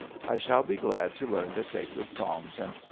I shall be glad to learn the sacred songs and prayers.'